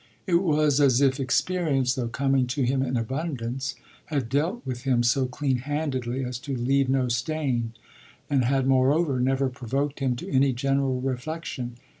It was as if experience, though coming to him in abundance, had dealt with him so clean handedly as to leave no stain, and had moreover never provoked him to any general reflexion.